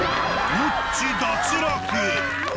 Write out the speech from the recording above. ノッチ、脱落。